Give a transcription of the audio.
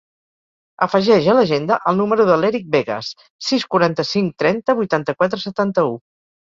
Afegeix a l'agenda el número de l'Èric Vegas: sis, quaranta-cinc, trenta, vuitanta-quatre, setanta-u.